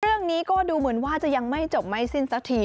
เรื่องนี้ก็ดูเหมือนว่าจะยังไม่จบไม่สิ้นสักที